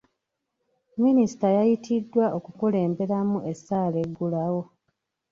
Minisita yayitiddwa okukulemberamu essaala eggulawo.